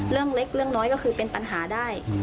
เรื่องเล็กเรื่องน้อยก็คือเป็นปัญหาได้